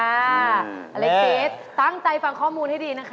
อะไรเกสตั้งใจฟังข้อมูลให้ดีนะคะ